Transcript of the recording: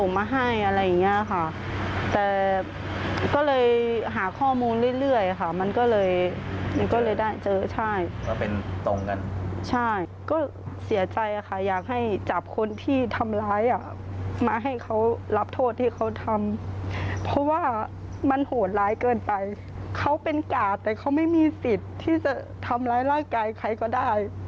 ไม่มีสิทธิ์ที่จะทำร้ายร่างกายใครก็ได้